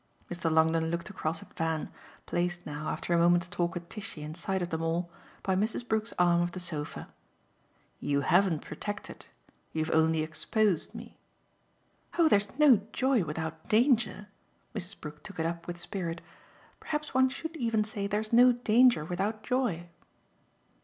Mr. Longdon looked across at Van, placed now, after a moment's talk with Tishy in sight of them all, by Mrs. Brook's arm of the sofa. "You haven't protected you've only exposed me." "Oh there's no joy without danger" Mrs. Brook took it up with spirit. "Perhaps one should even say there's no danger without joy."